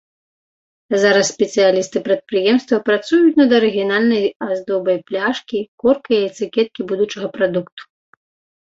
Зараз спецыялісты прадпрыемства працуюць над арыгінальнай аздобай пляшкі, корка і этыкеткі будучага прадукту.